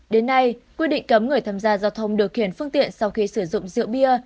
đến nay quy định cấm người tham gia giao thông điều khiển phương tiện sau khi sử dụng rượu bia